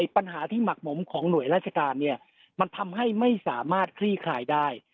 ปัญหาที่หมักหมมของหน่วยราชการเนี่ยมันทำให้ไม่สามารถคลี่คลายได้